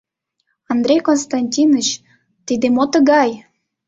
Андрей Константиныч, тиде мо тыгай?